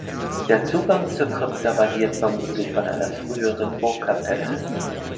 Der Zugang zur Krypta basiert vermutlich von einer früheren Burgkapelle.